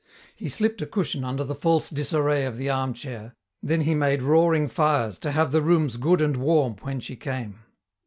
He slipped a cushion under the false disarray of the armchair, then he made roaring fires to have the rooms good and warm when she came.